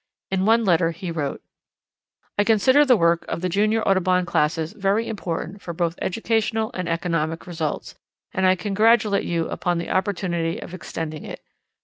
In one letter he wrote: "I consider the work of the Junior Audubon Classes very important for both educational and economic results, and I congratulate you upon the opportunity of extending it.